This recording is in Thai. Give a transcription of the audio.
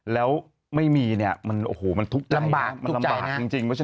แล้วไม่มีเนี่ยมันโอ้โหมันทุกข์ใจมันลำบากจริงนะครับ